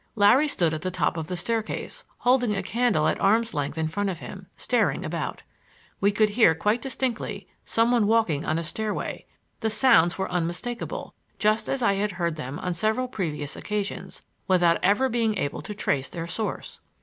Larry stood at the top of the staircase, holding a candle at arm's length in front of him, staring about. We could hear quite distinctly some one walking on a stairway; the sounds were unmistakable, just as I had heard them on several previous occasions, without ever being able to trace their source.